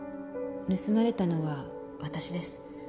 盗まれたのは私です。